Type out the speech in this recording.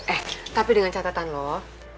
eh tapi dengan catatan loh